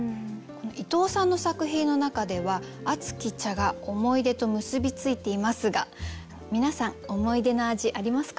伊藤さんの作品の中では「熱き茶」が思い出と結び付いていますが皆さん思い出の味ありますか？